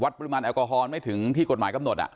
ปริมาณแอลกอฮอลไม่ถึงที่กฎหมายกำหนด